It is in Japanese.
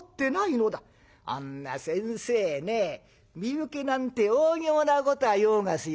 「あんな先生ね身請けなんておおぎょうなことはようがすよ。